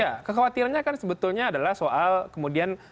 ya kekhawatirannya kan sebetulnya adalah soal kemudian